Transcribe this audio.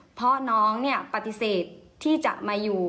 เพราะน้องปฏิเสธที่จะมาอยู่